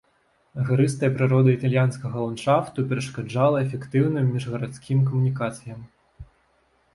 Гарыстая прырода італьянскага ландшафту перашкаджала эфектыўным міжгарадскім камунікацыям.